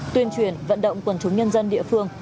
tuyên truyền vận động quần chúng nhân dân địa phương